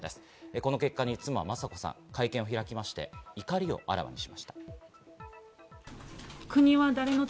この結果に妻・雅子さん、会見を開きまして、怒りをあらわにしました。